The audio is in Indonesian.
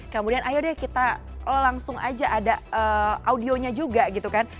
kemudian ayo jadi langsung saja ada audio nya juga gitu kan